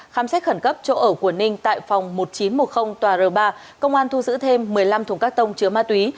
khám xét khẩn cấp chỗ ở của ninh tại phòng một nghìn chín trăm một mươi tòa r ba công an thu giữ thêm một mươi năm thùng các tông chứa ma túy